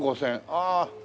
ああ。